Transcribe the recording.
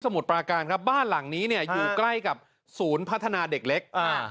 มุดปราการครับบ้านหลังนี้เนี่ยอยู่ใกล้กับศูนย์พัฒนาเด็กเล็กอ่า